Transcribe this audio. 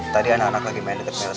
tadi anak anak lagi main deket deket